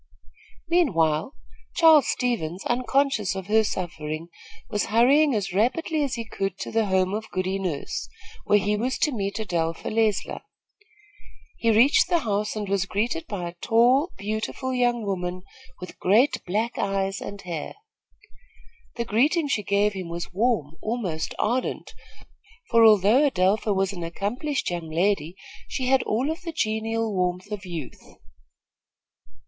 Meanwhile, Charles Stevens, unconscious of her suffering, was hurrying as rapidly as he could to the home of Goody Nurse, where he was to meet Adelpha Leisler. He reached the house and was greeted by a tall, beautiful young woman, with great, black eyes and hair. The greeting she gave him was warm, almost ardent, for, although Adelpha was an accomplished young lady, she had all of the genial warmth of youth.